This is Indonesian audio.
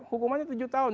hukumannya tujuh tahun